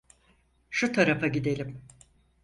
Şu tarafa gidelim.